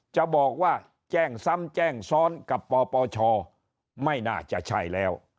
จะบอกว่าแจ้งซ้ำแจ้งซ้อนกับปปชไม่น่าจะใช่แล้ว